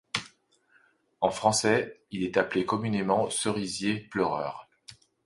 En français, il est appelé communément Cerisier pleureur.